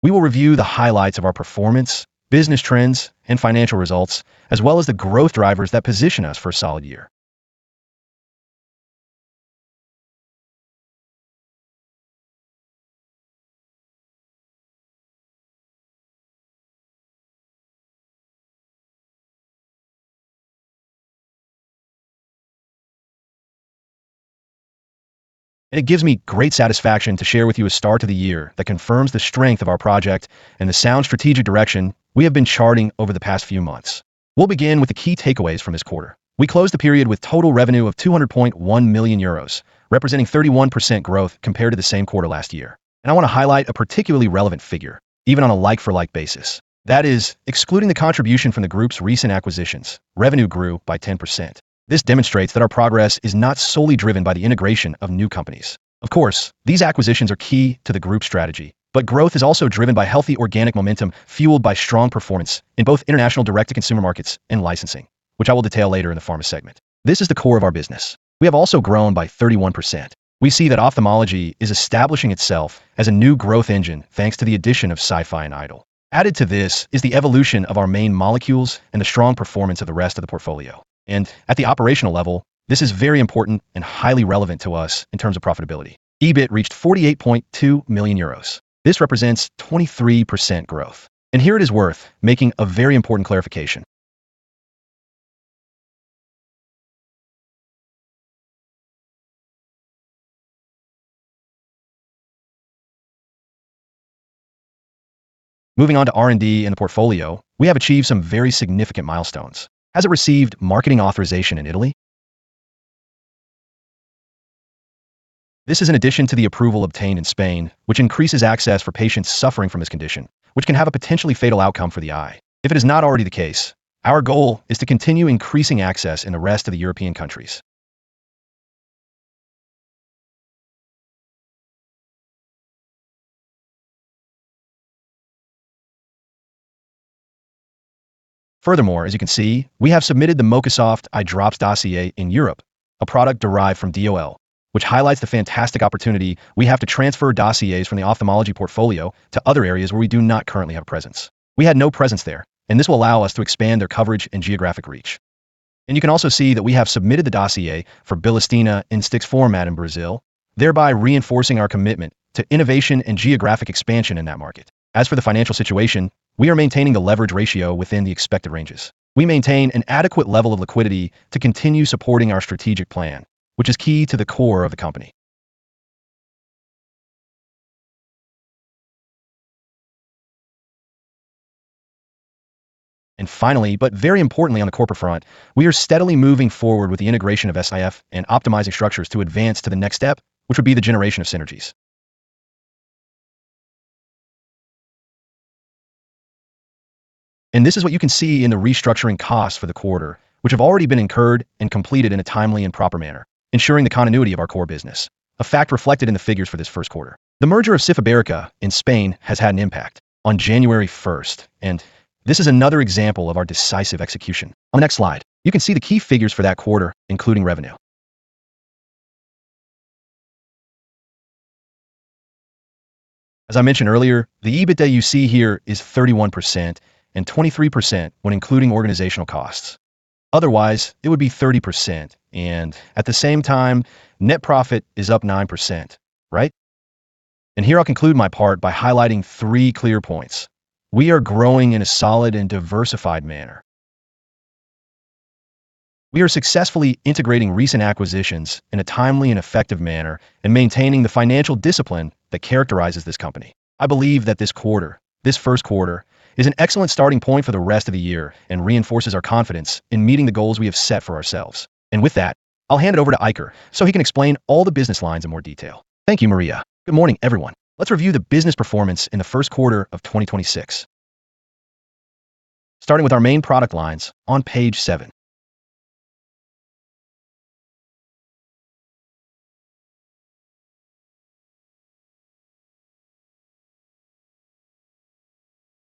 We will review the highlights of our performance, business trends, and financial results, as well as the growth drivers that position us for a solid year. It gives me great satisfaction to share with you a start to the year that confirms the strength of our project and the sound strategic direction we have been charting over the past few months. We'll begin with the key takeaways from this quarter. We closed the period with total revenue of 200.1 million euros, representing 31% growth compared to the same quarter last year. I want to highlight a particularly relevant figure, even on a like-for-like basis. That is, excluding the contribution from the Group's recent acquisitions, revenue grew by 10%. This demonstrates that our progress is not solely driven by the integration of new companies. Of course, these acquisitions are key to the Group strategy, but growth is also driven by healthy organic momentum fueled by strong performance in both international direct-to-consumer markets and licensing, which I will detail later in the Pharma segment. This is the core of our business. We have also grown by 31%. We see that ophthalmology is establishing itself as a new growth engine thanks to the addition of SIFI and Edol. Added to this is the evolution of our main molecules and the strong performance of the rest of the portfolio. At the operational level, this is very important and highly relevant to us in terms of profitability. EBIT reached 48.2 million euros. This represents 23% growth. Here it is worth making a very important clarification. Moving on to R&D and the portfolio, we have achieved some very significant milestones. As it received marketing authorization in Italy. This is in addition to the approval obtained in Spain, which increases access for patients suffering from this condition, which can have a potentially fatal outcome for the eye. If it is not already the case, our goal is to continue increasing access in the rest of the European countries. As you can see, we have submitted the Mocusoft eye drops dossier in Europe, a product derived from Edol, which highlights the fantastic opportunity we have to transfer dossiers from the ophthalmology portfolio to other areas where we do not currently have a presence. We had no presence there, this will allow us to expand their coverage and geographic reach. You can also see that we have submitted the dossier for Bilastine in sticks format in Brazil, thereby reinforcing our commitment to innovation and geographic expansion in that market. As for the financial situation, we are maintaining the leverage ratio within the expected ranges. We maintain an adequate level of liquidity to continue supporting our strategic plan, which is key to the core of the company. Finally, but very importantly on the corporate front, we are steadily moving forward with the integration of SIFI and optimizing structures to advance to the next step, which would be the generation of synergies. This is what you can see in the restructuring costs for the quarter, which have already been incurred and completed in a timely and proper manner, ensuring the continuity of our core business, a fact reflected in the figures for this first quarter. The merger of SIFI Ibérica in Spain has had an impact on 1 January 2026. This is another example of our decisive execution. On the next slide, you can see the key figures for that quarter, including revenue. As I mentioned earlier, the EBITDA you see here is 31% and 23% when including organizational costs. Otherwise, it would be 30%. At the same time, net profit is up 9%, right? Here I'll conclude my part by highlighting three clear points. We are growing in a solid and diversified manner. We are successfully integrating recent acquisitions in a timely and effective manner and maintaining the financial discipline that characterizes this company. I believe that this quarter, this first quarter, is an excellent starting point for the rest of the year and reinforces our confidence in meeting the goals we have set for ourselves. With that, I'll hand it over to Iker so he can explain all the business lines in more detail. Thank you, Maria. Good morning, everyone. Let's review the business performance in the first quarter of 2026. Starting with our main product lines on page seven.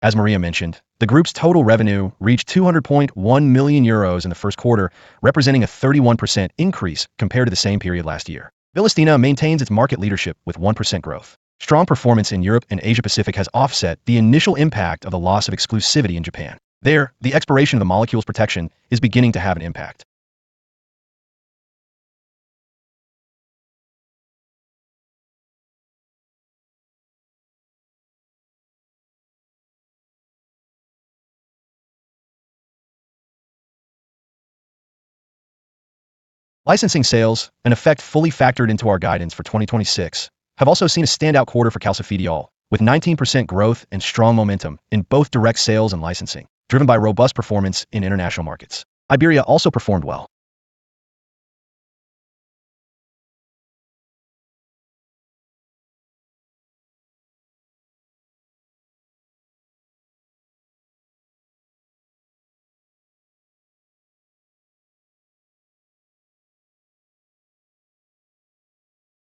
As Maria mentioned, the Group's total revenue reached 200.1 million euros in the first quarter, representing a 31% increase compared to the same period last year. Bilastine maintains its market leadership with 1% growth. Strong performance in Europe and Asia Pacific has offset the initial impact of the loss of exclusivity in Japan. There, the expiration of the molecule's protection is beginning to have an impact. Licensing sales, an effect fully factored into our guidance for 2026, have also seen a standout quarter for calcifediol, with 19% growth and strong momentum in both direct sales and licensing, driven by robust performance in international markets. Iberia also performed well.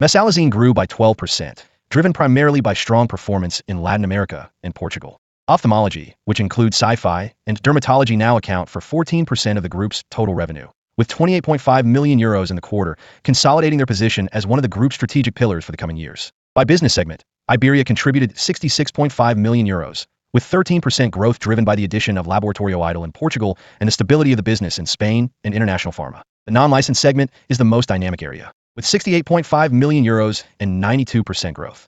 Mesalazine grew by 12%, driven primarily by strong performance in Latin America and Portugal. Ophthalmology, which includes SIFI and dermatology now account for 14% of the group's total revenue, with 28.5 million euros in the quarter consolidating their position as one of the group's strategic pillars for the coming years. By business segment, Iberia contributed 66.5 million euros, with 13% growth driven by the addition of Laboratórios Edol in Portugal and the stability of the business in Spain and International Pharma. The non-licensed segment is the most dynamic area, with 68.5 million euros and 92% growth.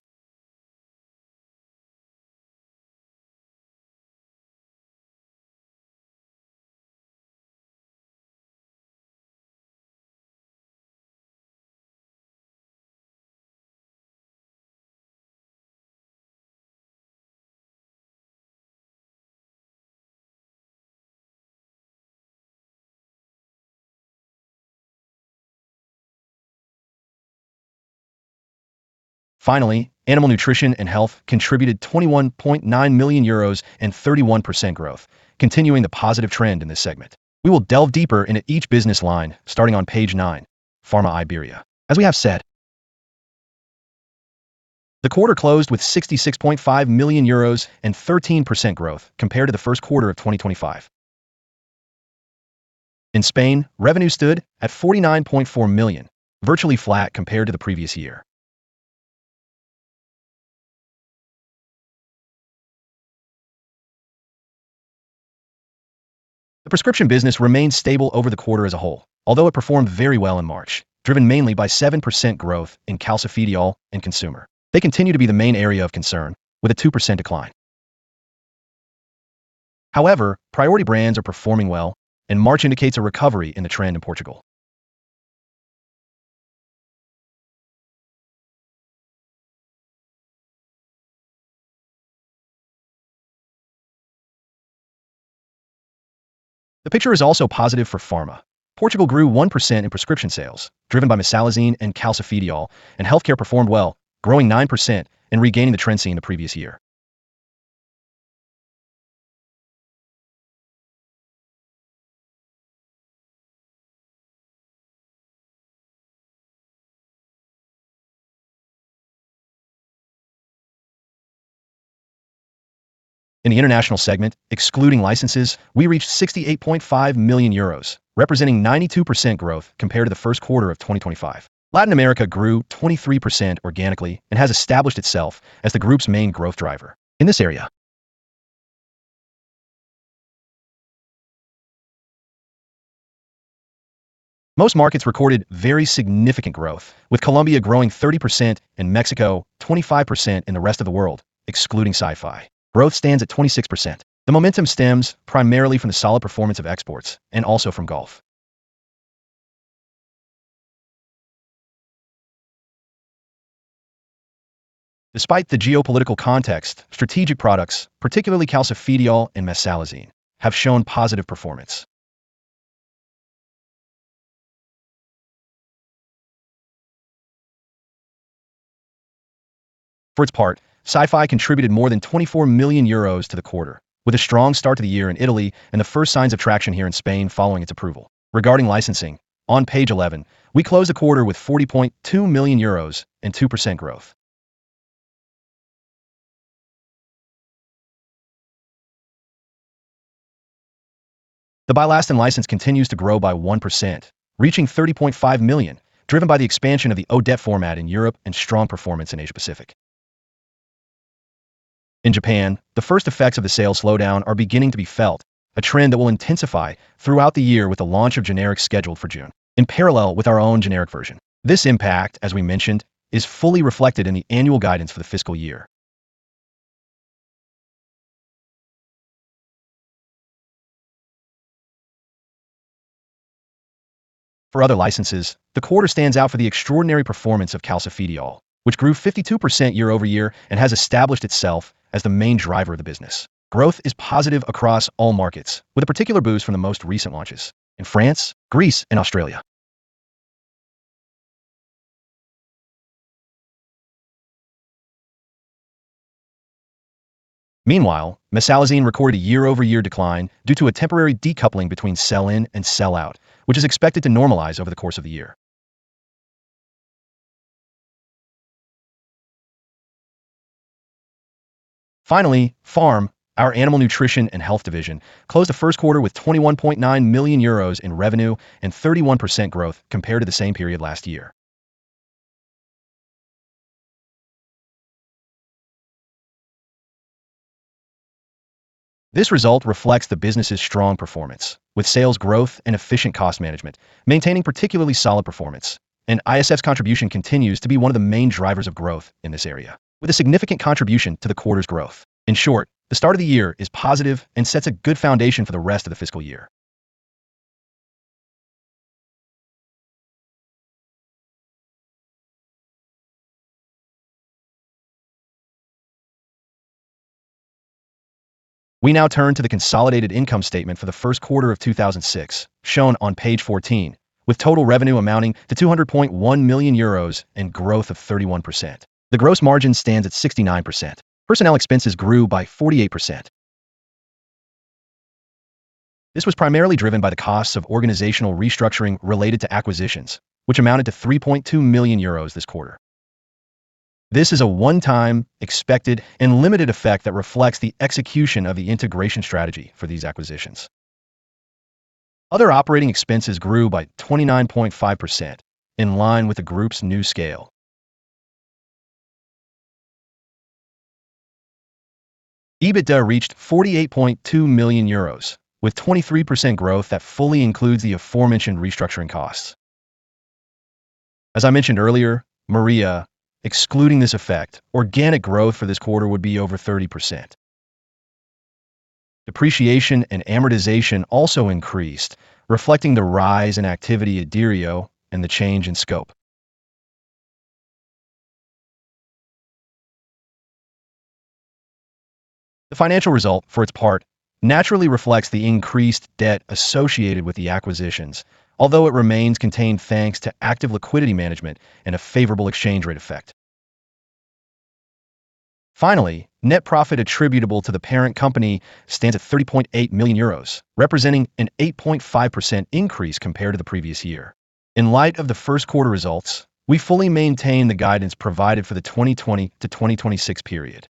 Finally, Animal Nutrition and Health contributed 21.9 million euros and 31% growth, continuing the positive trend in this segment. We will delve deeper into each business line starting on page nine, Pharma Iberia. As we have said, the quarter closed with 66.5 million euros and 13% growth compared to the first quarter of 2025. In Spain, revenue stood at 49.4 million, virtually flat compared to the previous year. The prescription business remained stable over the quarter as a whole, although it performed very well in March, driven mainly by 7% growth in calcifediol and consumer. They continue to be the main area of concern, with a 2% decline. However, priority brands are performing well, and March indicates a recovery in the trend in Portugal. The picture is also positive for pharma. Portugal grew 1% in prescription sales, driven by mesalazine and calcifediol, and healthcare performed well, growing 9% and regaining the trend seen in the previous year. In the international segment, excluding licenses, we reached 68.5 million euros, representing 92% growth compared to the first quarter of 2025. Latin America grew 23% organically and has established itself as the Faes group's main growth driver. In this area, most markets recorded very significant growth, with Colombia growing 30% and Mexico 25% in the rest of the world, excluding SIFI. Growth stands at 26%. The momentum stems primarily from the solid performance of exports and also from Gulf. Despite the geopolitical context, strategic products, particularly calcifediol and mesalazine, have shown positive performance. For its part, SIFI contributed more than 24 million euros to the quarter, with a strong start to the year in Italy and the first signs of traction here in Spain following its approval. Regarding licensing, on page 11, we close the quarter with 40.2 million euros and 2% growth. The Bilastine license continues to grow by 1%, reaching 30.5 million, driven by the expansion of the ODT format in Europe and strong performance in Asia-Pacific. In Japan, the first effects of the sales slowdown are beginning to be felt, a trend that will intensify throughout the year with the launch of generics scheduled for June, in parallel with our own generic version. This impact, as we mentioned, is fully reflected in the annual guidance for the fiscal year. For other licenses, the quarter stands out for the extraordinary performance of calcifediol, which grew 52% year-over-year and has established itself as the main driver of the business. Growth is positive across all markets, with a particular boost from the most recent launches in France, Greece and Australia. Meanwhile, mesalazine recorded a year-over-year decline due to a temporary decoupling between sell-in and sell-out, which is expected to normalize over the course of the year. Finally, FARM, our Animal Nutrition and Health division, closed the first quarter with 21.9 million euros in revenue and 31% growth compared to the same period last year. This result reflects the business's strong performance, with sales growth and efficient cost management maintaining particularly solid performance, and SIFI's contribution continues to be one of the main drivers of growth in this area, with a significant contribution to the quarter's growth. In short, the start of the year is positive and sets a good foundation for the rest of the fiscal year. We now turn to the consolidated income statement for the first quarter of 2006, shown on page 14, with total revenue amounting to 200.1 million euros and growth of 31%. The gross margin stands at 69%. Personnel expenses grew by 48%. This was primarily driven by the costs of organizational restructuring related to acquisitions, which amounted to 3.2 million euros this quarter. This is a one-time expected and limited effect that reflects the execution of the integration strategy for these acquisitions. Other operating expenses grew by 29.5% in line with the group's new scale. EBITDA reached 48.2 million euros with 23% growth that fully includes the aforementioned restructuring costs. As I mentioned earlier, Maria, excluding this effect, organic growth for this quarter would be over 30%. Depreciation and amortization also increased, reflecting the rise in activity at Derio and the change in scope. The financial result, for its part, naturally reflects the increased debt associated with the acquisitions, although it remains contained thanks to active liquidity management and a favorable exchange rate effect. Finally, net profit attributable to the parent company stands at 30.8 million euros, representing an 8.5% increase compared to the previous year. In light of the first quarter results, we fully maintain the guidance provided for the 2020 to 2026 period.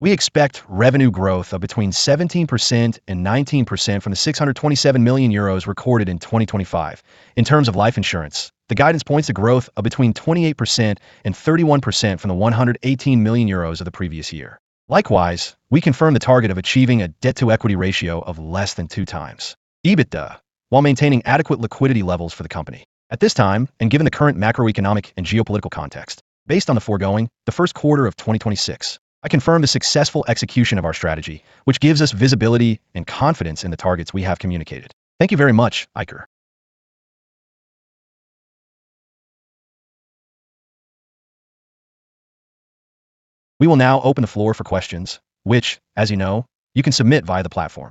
We expect revenue growth of between 17% and 19% from the 627 million euros recorded in 2025. In terms of life insurance, the guidance points to growth of between 28% and 31% from the 118 million euros of the previous year. Likewise, we confirm the target of achieving a debt-to-equity ratio of less than 2x EBITDA, while maintaining adequate liquidity levels for the company. At this time, given the current macroeconomic and geopolitical context, based on the foregoing, the first quarter of 2026, I confirm the successful execution of our strategy, which gives us visibility and confidence in the targets we have communicated. Thank you very much, Iker. We will now open the floor for questions, which, as you know, you can submit via the platform.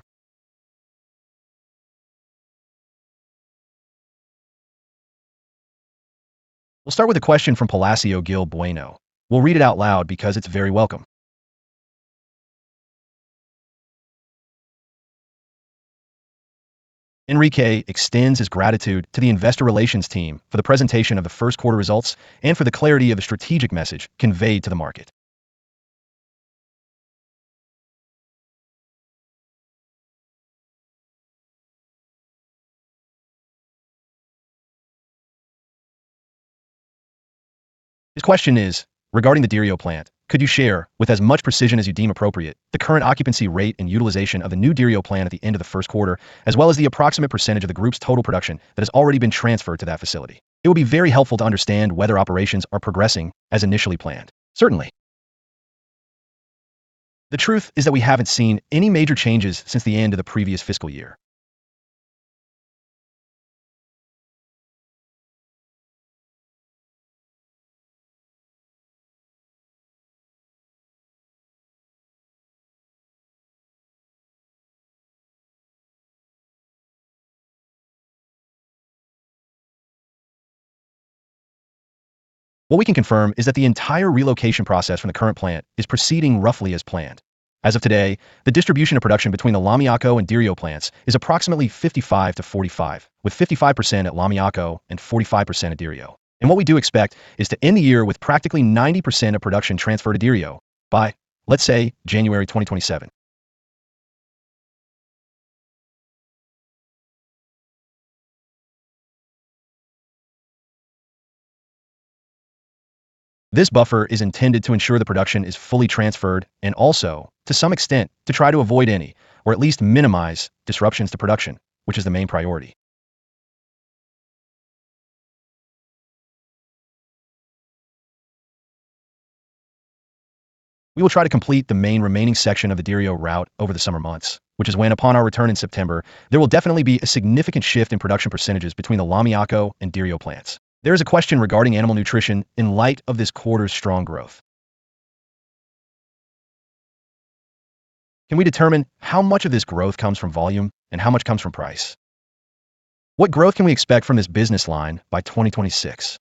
We'll start with a question from Paloma Gil-Bueno. We'll read it out loud because it's very welcome. Enrique extends his gratitude to the Investor Relations team for the presentation of the first quarter results and for the clarity of the strategic message conveyed to the market. His question is: Regarding the Derio plant, could you share with as much precision as you deem appropriate, the current occupancy rate and utilization of the new Derio plant at the end of the first quarter, as well as the approximate percentage of the group's total production that has already been transferred to that facility? It would be very helpful to understand whether operations are progressing as initially planned. Certainly. The truth is that we haven't seen any major changes since the end of the previous fiscal year. What we can confirm is that the entire relocation process from the current plant is proceeding roughly as planned. As of today, the distribution of production between the Lamiaco and Derio plants is approximately 55/45, with 55% at Lamiaco and 45% at Derio. What we do expect is to end the year with practically 90% of production transferred to Derio by, let's say, January 2027. This buffer is intended to ensure the production is fully transferred and also to some extent, to try to avoid any or at least minimize disruptions to production, which is the main priority. We will try to complete the main one remaining section of the Derio route over the summer months, which is when, upon our return in September, there will definitely be a significant shift in production percentages between the Lamiaco and Derio plants. There is a question regarding animal nutrition in light of this quarter's strong growth. Can we determine how much of this growth comes from volume and how much comes from price? What growth can we expect from this business line by 2026?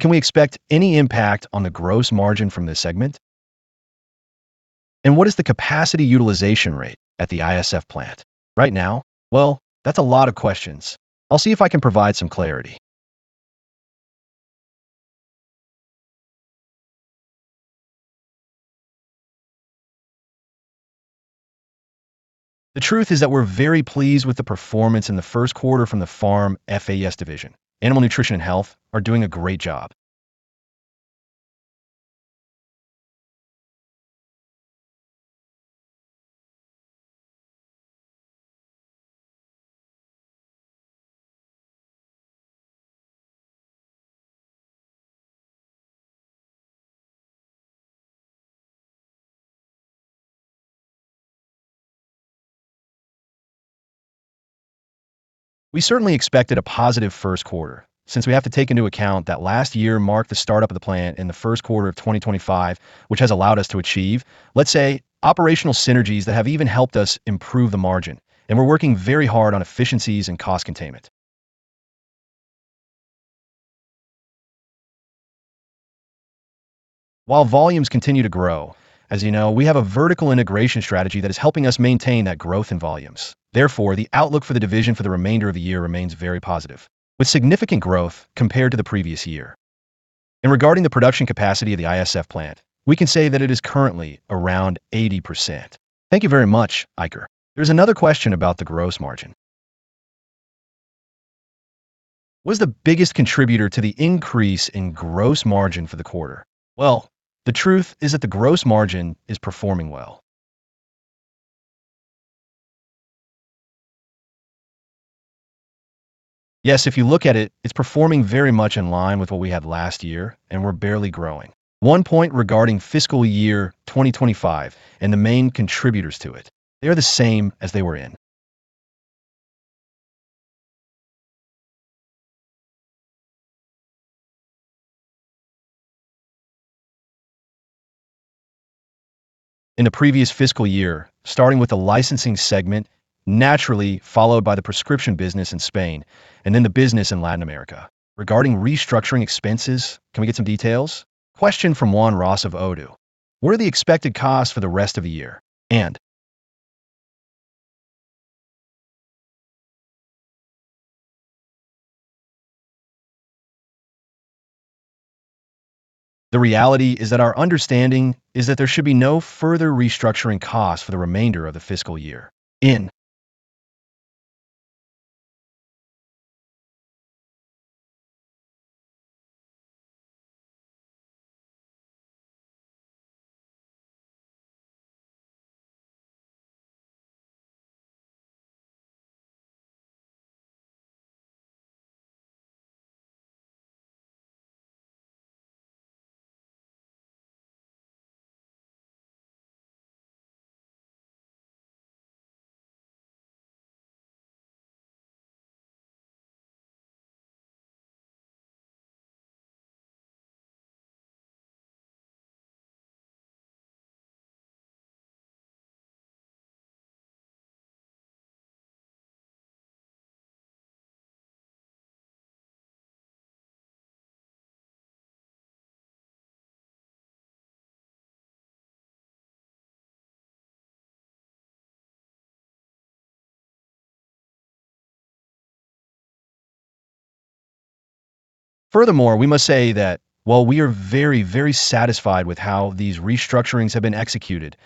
Can we expect any impact on the gross margin from this segment? What is the capacity utilization rate at the ISF plant right now? Well, that's a lot of questions. I'll see if I can provide some clarity. The truth is that we're very pleased with the performance in the first quarter from the FARM Faes division. Animal Nutrition and Health are doing a great job. We certainly expected a positive first quarter since we have to take into account that last year marked the startup of the plant in the first quarter of 2025, which has allowed us to achieve, let's say, operational synergies that have even helped us improve the margin, and we're working very hard on efficiencies and cost containment. While volumes continue to grow, as you know, we have a vertical integration strategy that is helping us maintain that growth in volumes. Therefore, the outlook for the division for the remainder of the year remains very positive, with significant growth compared to the previous year. Regarding the production capacity of the SIFI plant, we can say that it is currently around 80%. Thank you very much, Iker. There's another question about the gross margin. What is the biggest contributor to the increase in gross margin for the quarter? Well, the truth is that the gross margin is performing well. Yes, if you look at it's performing very much in line with what we had last year, we're barely growing. One point regarding fiscal year 2025, the main contributors to it, they are the same as they were in the previous fiscal year, starting with the licensing segment, naturally followed by the prescription business in Spain and then the business in Latin America. Regarding restructuring expenses, can we get some details? Question from Juan Ros of ODDO, What are the expected costs for the rest of the year? The reality is that our understanding is that there should be no further restructuring costs for the remainder of the fiscal year. Furthermore, we must say that while we are very satisfied with how these restructurings have been executed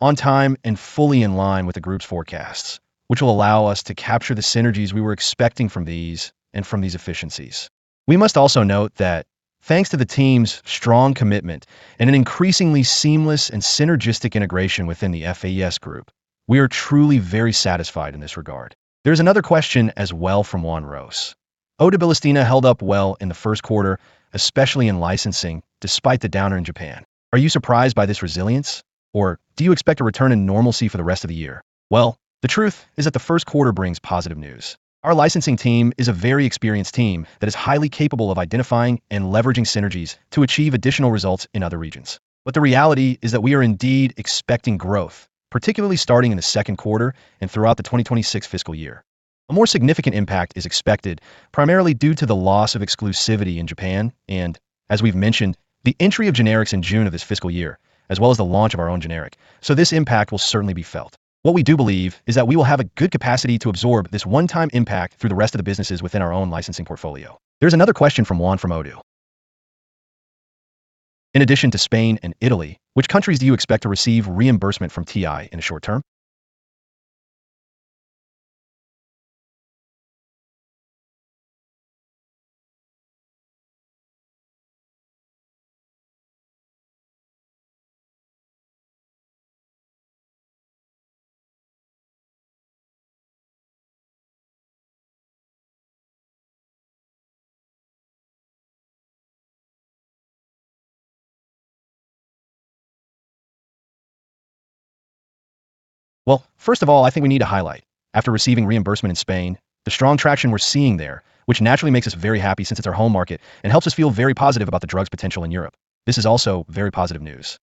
on time and fully in line with the group's forecasts, which will allow us to capture the synergies we were expecting from these and from these efficiencies. We must also note that thanks to the team's strong commitment and an increasingly seamless and synergistic integration within the Faes group, we are truly very satisfied in this regard. There's another question as well from Juan Ros. Bilastine held up well in the first quarter, especially in licensing despite the downturn in Japan. Are you surprised by this resilience, or do you expect a return to normalcy for the rest of the year? Well, the truth is that the first quarter brings positive news. Our licensing team is a very experienced team that is highly capable of identifying and leveraging synergies to achieve additional results in other regions. The reality is that we are indeed expecting growth, particularly starting in the second quarter and throughout the 2026 fiscal year. A more significant impact is expected primarily due to the loss of exclusivity in Japan and, as we've mentioned, the entry of generics in June of this fiscal year, as well as the launch of our own generic. This impact will certainly be felt. What we do believe is that we will have a good capacity to absorb this one-time impact through the rest of the businesses within our own licensing portfolio. There's another question from Juan from ODDO. In addition to Spain and Italy, which countries do you expect to receive reimbursement from TI in the short term? Well, first of all, I think we need to highlight, after receiving reimbursement in Spain, the strong traction we're seeing there, which naturally makes us very happy since it's our home market and helps us feel very positive about the drug's potential in Europe. This is also very positive news.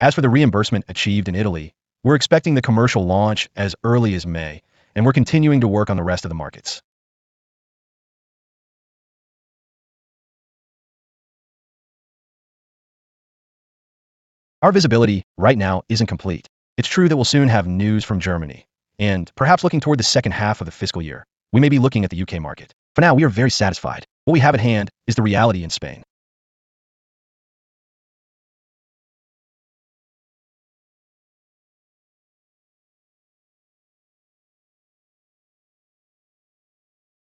As for the reimbursement achieved in Italy, we're expecting the commercial launch as early as May, and we're continuing to work on the rest of the markets. Our visibility right now isn't complete. It's true that we'll soon have news from Germany, and perhaps looking toward the second half of the fiscal year, we may be looking at the U.K. market. For now, we are very satisfied. What we have at hand is the reality in Spain.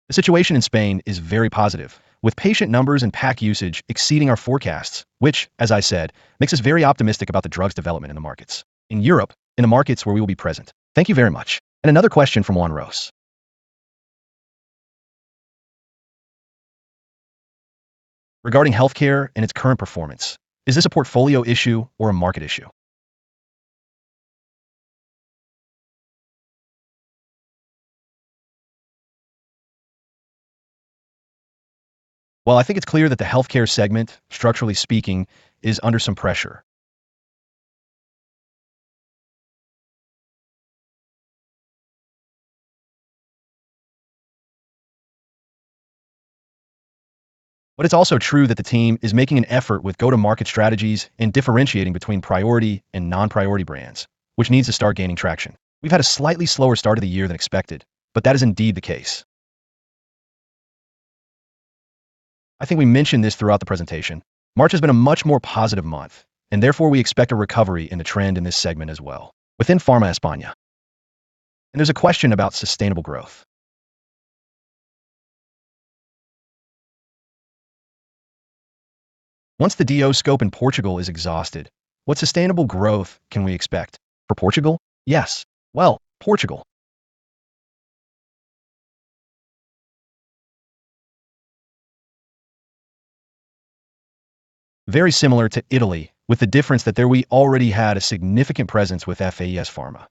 The situation in Spain is very positive, with patient numbers and pack usage exceeding our forecasts, which, as I said, makes us very optimistic about the drug's development in the markets, in Europe, in the markets where we will be present. Thank you very much. Another question from Juan Ros. Regarding healthcare and its current performance, is this a portfolio issue or a market issue? I think it's clear that the healthcare segment, structurally speaking, is under some pressure. It's also true that the team is making an effort with go-to-market strategies and differentiating between priority and non-priority brands, which needs to start gaining traction. We've had a slightly slower start of the year than expected, but that is indeed the case. I think we mentioned this throughout the presentation. March has been a much more positive month, therefore we expect a recovery in the trend in this segment as well within Pharma España. There's a question about sustainable growth. Once the Edol scope in Portugal is exhausted, what sustainable growth can we expect? For Portugal? Yes. Well, Portugal very similar to Italy, with the difference that there we already had a significant presence with Faes Farma.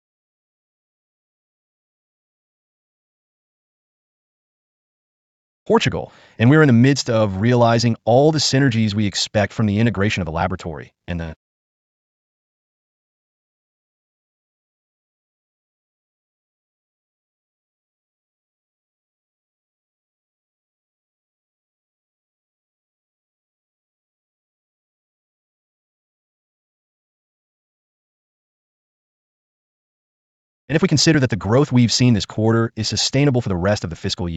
Portugal, we are in the midst of realizing all the synergies we expect from the integration of the laboratory. If we consider that the growth we've seen this quarter is sustainable for the rest of the fiscal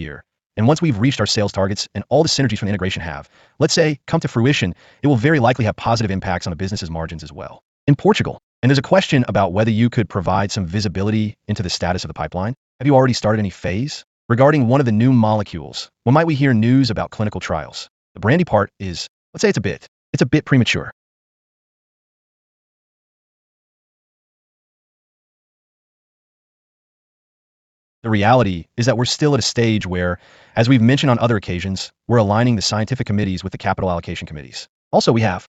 year, and once we've reached our sales targets and all the synergies from integration have, let's say, come to fruition, it will very likely have positive impacts on the business' margins as well in Portugal. There's a question about whether you could provide some visibility into the status of the pipeline. Have you already started any phase? Regarding one of the new molecules, when might we hear news about clinical trials? The R&D part is, let's say it's a bit premature. The reality is that we're still at a stage where, as we've mentioned on other occasions, we're aligning the scientific committees with the capital allocation committees. Also, we have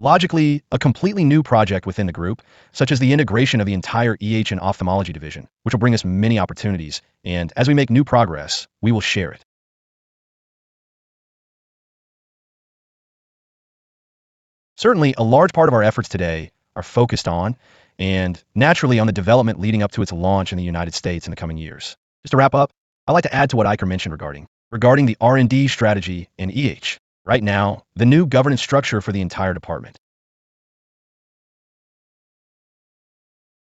logically a completely new project within the group, such as the integration of the entire EH and Ophthalmology division, which will bring us many opportunities, and as we make new progress, we will share it. Certainly, a large part of our efforts today are focused on and naturally on the development leading up to its launch in the United States in the coming years. Just to wrap up, I'd like to add to what Iker mentioned regarding the R&D strategy in EH. Right now, the new governance structure for the entire department.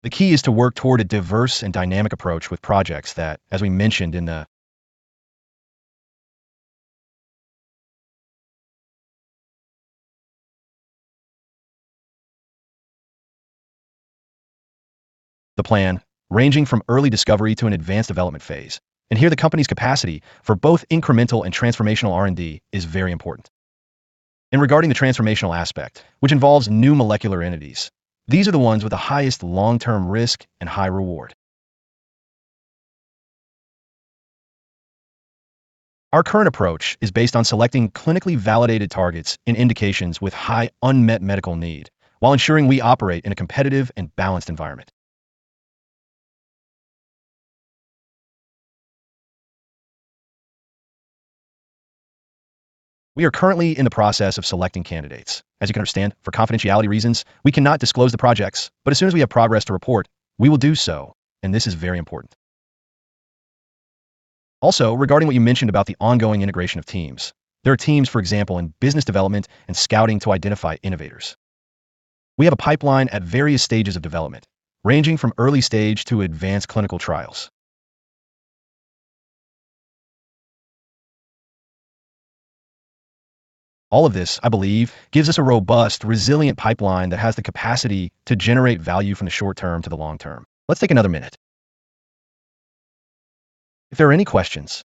The key is to work toward a diverse and dynamic approach with projects that, as we mentioned in the plan, ranging from early discovery to an advanced development phase. Here the company's capacity for both incremental and transformational R&D is very important. Regarding the transformational aspect, which involves new molecular entities, these are the ones with the highest long-term risk and high reward. Our current approach is based on selecting clinically validated targets in indications with high unmet medical need, while ensuring we operate in a competitive and balanced environment. We are currently in the process of selecting candidates. As you can understand, for confidentiality reasons, we cannot disclose the projects, as soon as we have progress to report, we will do so, and this is very important. Also, regarding what you mentioned about the ongoing integration of teams, there are teams, for example, in business development and scouting to identify innovators. We have a pipeline at various stages of development, ranging from early stage to advanced clinical trials. All of this, I believe, gives us a robust, resilient pipeline that has the capacity to generate value from the short term to the long term Let's take another minute. If there are any questions.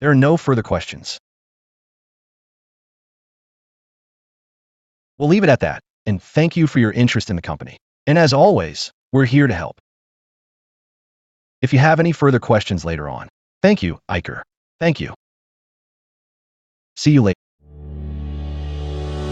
There are no further questions. We'll leave it at that. Thank you for your interest in the company. As always, we're here to help if you have any further questions later on. Thank you, Iker. Thank you. See you later